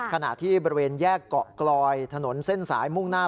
ขณะที่บริเวณแยกเกาะกลอยถนนเส้นสายมุ่งหน้า